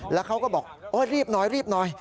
แล้วเขาก็บอกโอ๊ยรีบหน่อยรีบหน่อย